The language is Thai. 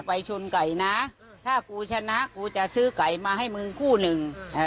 ไปชนไก่นะถ้ากูชนะกูจะซื้อไก่มาให้มึงคู่หนึ่งเอ่อ